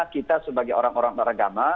kita sebagai orang orang beragama